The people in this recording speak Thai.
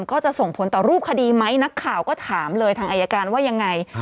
ก็จะส่งผลต่อรูปคดีไหมนักข่าวก็ถามเลยทางอายการว่ายังไง